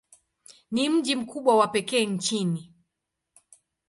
Ni mji mkubwa wa pekee nchini.